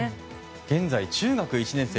現在、中学１年生。